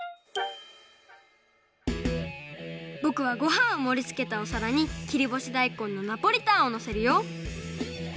ぼくはごはんをもりつけたおさらに切りぼしだいこんのナポリタンをのせるよ。